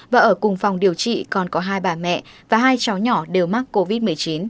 và ở cùng phòng điều trị còn có hai bà mẹ và hai cháu nhỏ đều mắc covid một mươi chín